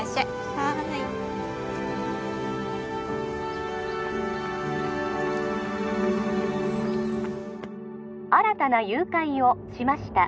はい☎新たな誘拐をしました